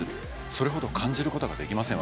それほど感じることができません